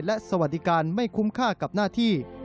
และสวัสดิการไม่คุ้มค่ากับหน้าที่